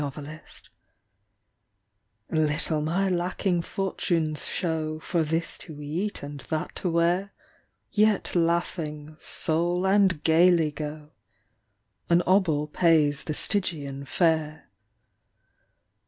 EXPENSES Little my lacking fortunes show For this to eat and that to wear; Yet laughing, Soul, and gaily go ! An obol pays the Stygian fare.